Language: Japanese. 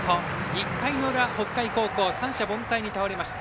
１回の裏、北海高校三者凡退に倒れました。